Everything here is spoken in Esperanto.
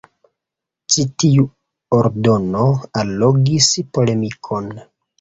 Ĉi tiu ordono allogis polemikon.